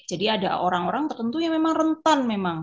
jadi ada orang orang tertentu yang memang rentan memang